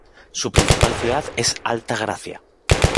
Su principal ciudad es Alta Gracia.